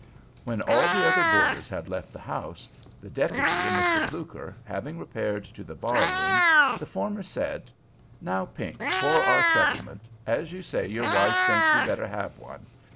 When all the other boarders had left the house, the deputy and Mr. Fluker having repaired to the bar room, the former said: "Now, Pink, for our settlement, as you say your wife think we better have one.